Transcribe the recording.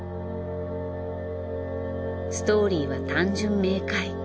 ストーリーは単純明快。